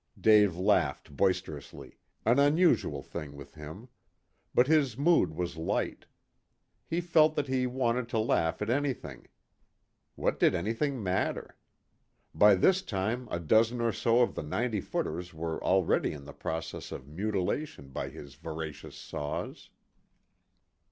Dave laughed boisterously, an unusual thing with him. But his mood was light. He felt that he wanted to laugh at anything. What did anything matter? By this time a dozen or so of the "ninety footers" were already in the process of mutilation by his voracious saws.